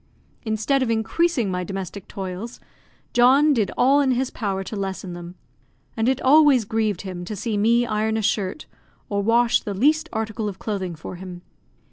Instead of increasing my domestic toils, John did all in his power to lessen them; and it always grieved him to see me iron a shirt, or wash the least article of clothing for him.